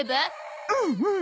うんうん！